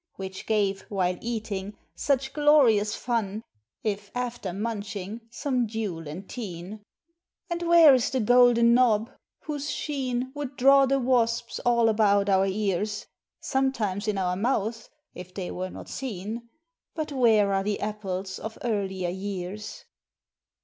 (Which gave, while eating, such glorious fun, If after munching some dule and teen)? And where is the Golden Knob, whose sheen Would draw the wasps all about our ears? (Sometimes in our mouths, if they were not seen) But where are the apples of earlier years?